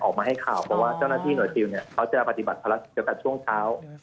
ออกมาให้ข่าวเพราะว่าเจ้าหน้าที่หน่วยซิลเนี่ยเขาจะปฏิบัติภารกิจตั้งแต่ช่วงเช้า